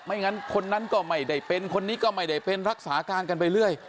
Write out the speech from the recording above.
งั้นคนนั้นก็ไม่ได้เป็นคนนี้ก็ไม่ได้เป็นรักษาการกันไปเรื่อย